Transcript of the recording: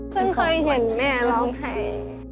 เพิ่งเคยเห็นแม่ร้องไทย